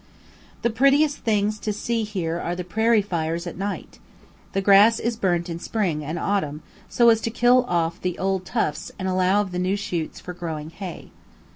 The prettiest things to see here are the prairie fires at night. The grass is burnt in spring and autumn so as to kill off the old tufts and allow of the new shoots growing for hay.